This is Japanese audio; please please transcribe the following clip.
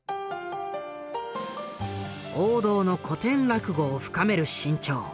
王道の古典落語を深める志ん朝。